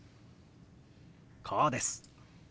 こうです。